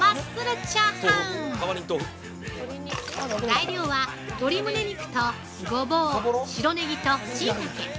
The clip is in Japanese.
材料は、鶏むね肉とごぼう、白ネギとしいたけ。